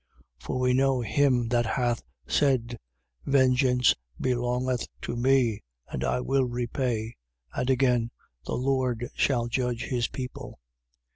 10:30. For we know him that hath said: Vengeance belongeth to me, and I will repay. And again: The Lord shall judge his people.